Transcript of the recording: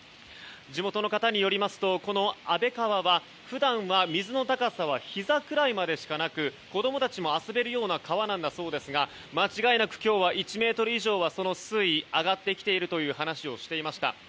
地元の方によりますとこの安倍川は普段は水の高さはひざくらいまでしかなく子供たちも遊べるような川なんだそうですが間違いなく今日は１ｍ以上はその水位が上がってきていると話をしていました。